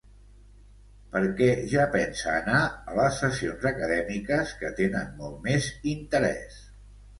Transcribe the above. Perquè ja pensa anar a les sessions acadèmiques, que tenen molt més interès.